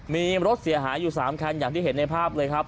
มีรถเสียหายอยู่๓คันอย่างที่เห็นในภาพเลยครับ